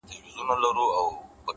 زه چي کور ته ورسمه هغه نه وي’